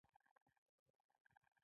د صداقت وینا د حق وینا ده.